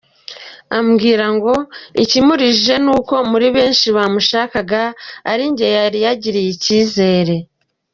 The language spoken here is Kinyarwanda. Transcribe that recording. Arambwira ngo ikimurijije ni uko muri benshi bamushakaga ari njye yari yagiriye icyizere.